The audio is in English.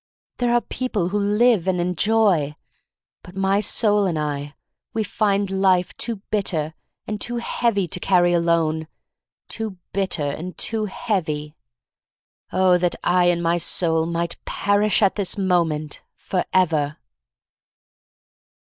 There are people who live and enjoy. But my soul and I — we find life too bit ter, and too heavy to carry alone. Too bitter, and too heavy. Oh, that I and my soul might perish at this moment, forever!